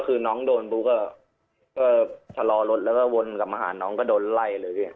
คือน้องโดนบุ๊กก็ชะลอรถแล้วก็วนกลับมาหาน้องก็โดนไล่เลยพี่